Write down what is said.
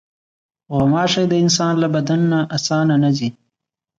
غوماشې د انسان له بدن نه اسانه نه ځي.